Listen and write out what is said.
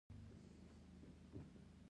خوړل د ماشوم ذهن پراخوي